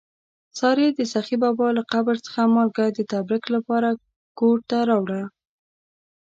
سارې د سخي بابا له قبر څخه مالګه د تبرک لپاره کور ته راوړله.